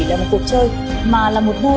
là một cuộc chơi mà là một môi